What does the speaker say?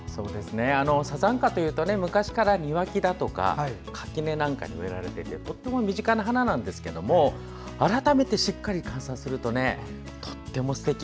サザンカというと古くから庭木だとか垣根に植えられていてとっても身近な花なんですけども改めてしっかり観察するととってもすてき。